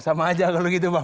sama aja kalau gitu bang